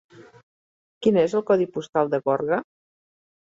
Quin és el codi postal de Gorga?